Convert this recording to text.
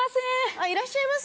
あっいらっしゃいませ。